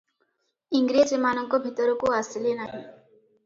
ଇଂରେଜ ଏମାନଙ୍କ ଭିତରକୁ ଆସିଲେ ନାହିଁ ।